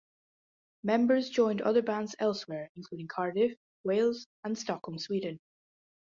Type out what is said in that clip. Members joined other bands elsewhere, including Cardiff, Wales and Stockholm, Sweden.